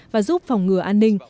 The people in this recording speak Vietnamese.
và giúp phòng ngừa an ninh